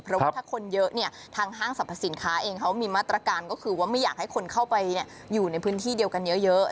เพราะว่าถ้าคนเยอะเนี่ยทางห้างสรรพสินค้าเองเขามีมาตรการก็คือว่าไม่อยากให้คนเข้าไปอยู่ในพื้นที่เดียวกันเยอะ